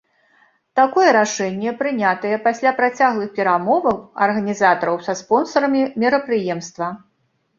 Такое рашэнне прынятае пасля працяглых перамоваў арганізатараў са спонсарамі мерапрыемства.